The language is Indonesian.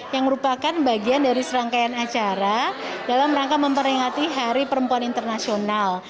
yang merupakan bagian dari serangkaian acara dalam rangka memperingati hari perempuan internasional